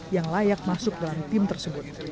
yang layak masuk dalam tim tersebut